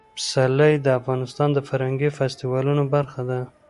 پسرلی د افغانستان د فرهنګي فستیوالونو برخه ده.